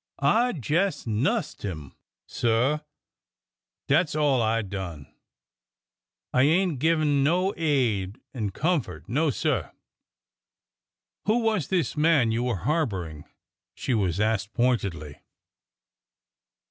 I jes' nussed 'im, sir; dat 's all I done. I ain't give 'im no aid an' comfort ! No, sir !"'' Who was this man you were harboring ?" she was asked pointedly.